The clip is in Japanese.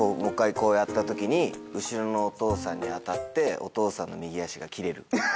こうやった時に後ろのお父さんに当たってお父さんの右足が切れる。